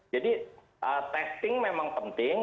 jadi testing memang penting